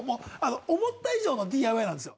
思った以上のＤＩＹなんですよ。